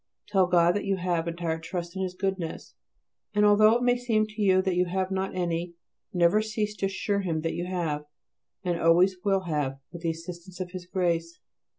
Tell God that you have entire trust in His goodness, and although it may seem to you that you have not any, never cease to assure Him that you have, and always will have with the assistance of His grace.